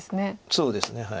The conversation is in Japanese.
そうですね。